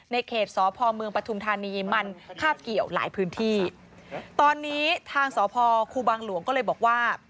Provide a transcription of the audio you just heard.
เขตสพเมืองปฐุมธานีมันคาบเกี่ยวหลายพื้นที่ตอนนี้ทางสพครูบางหลวงก็เลยบอกว่า